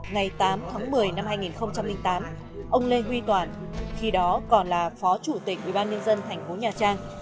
ngày tám tháng một mươi năm hai nghìn tám ông lê huy toàn khi đó còn là phó chủ tịch ubnd tp nha trang